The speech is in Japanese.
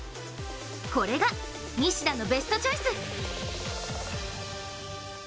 これが、西田のベストチョイス。